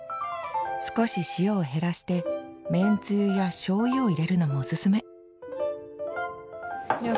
少し塩を減らしてめんつゆや醤油を入れるのもおすすめいや